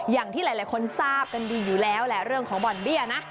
อย่างที่หลายคนทราบกันดีอยู่แล้วแหละเรื่องของบ่อนเบี้ยนะ